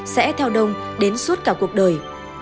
sẽ theo đông đến suốt cả cuộc đời